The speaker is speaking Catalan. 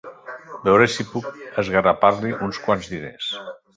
Veuré si puc esgarrapar-li uns quants diners.